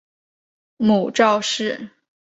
母赵氏。